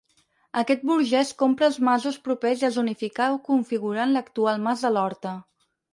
Aquest burgès comprà els masos propers i els unificà configurant l’actual mas de l’Horta.